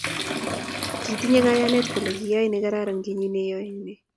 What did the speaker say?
Kitinye kayanet kole kiyoe negararan kenyit nenyone